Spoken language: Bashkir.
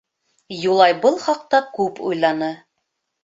Юлай был хаҡта күп уйланы.